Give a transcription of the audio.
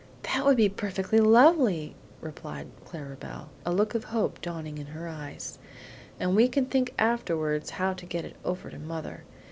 "That would be perfectly lovely," replied Clara Belle, a look of hope dawning in her eyes; "and we can think afterwards how to get it over to mother.